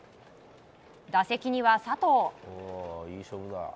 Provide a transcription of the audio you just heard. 打席には、佐藤。